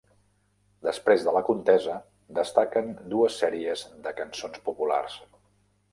Després de la contesa destaquen dues sèries de cançons populars.